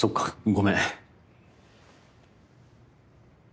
ごめん。